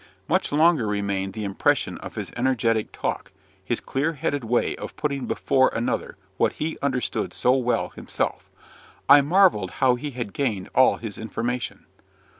Much longer remained the impression of his energetic talk his clear headed way of putting before another what he understood so well himself. I marvelled how he had gained all his information.